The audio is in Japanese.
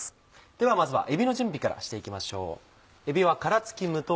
ではまずはえびの準備からしていきましょう。